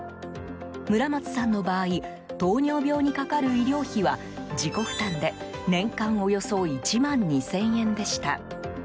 村松さんの場合糖尿病にかかる医療費は自己負担で、年間およそ１万２０００円でした。